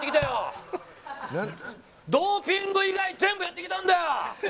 ドーピング以外全部やってきたんだよ。